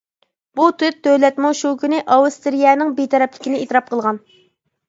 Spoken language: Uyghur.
بۇ تۆت دۆلەتمۇ شۇ كۈنى ئاۋسترىيەنىڭ بىتەرەپلىكىنى ئېتىراپ قىلغان.